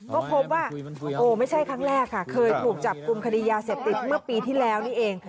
ก็พบว่าโอ้ไม่ใช่ครั้งแรกค่ะเคยถูกจับกลุ่มคดียาเสพติดเมื่อปีที่แล้วนี่เอง